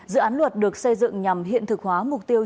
dự án luật được xây dựng nhằm hiện thực hóa mục tiêu